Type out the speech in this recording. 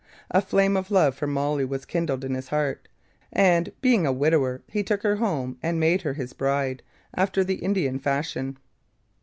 A flame of love for Molly was kindled in his heart, and, being a widower, he took her home and made her his bride after the Indian fashion.